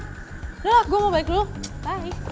udah lah gue mau balik dulu bye